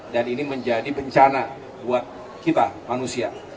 dan ini menjadi bencana buat kita manusia